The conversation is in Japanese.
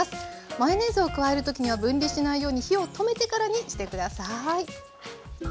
マヨネーズを加える時には分離しないように火を止めてからにして下さい。